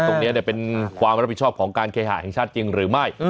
ตรงนี้เป็นความรับผิดชอบของการเคหาแห่งชาติจริงหรือไม่